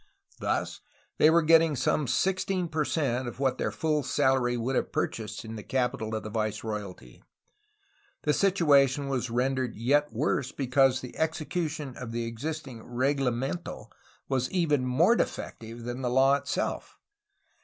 Thus they were getting some sixteen per cent of what their full salary would have purchased in the capital of the viceroyalty. The situa tion was rendered yet worse because the execution of the existing reglamento was even more defective than the law itself.